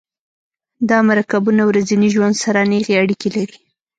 دا مرکبونه ورځني ژوند سره نیغې اړیکې لري.